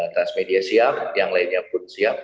transmedia siap yang lainnya pun siap